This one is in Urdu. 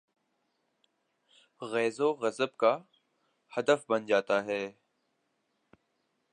غیظ و غضب کا ہدف بن جا تا ہے۔